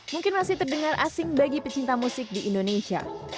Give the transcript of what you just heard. mungkin masih terdengar asing bagi pecinta musik di indonesia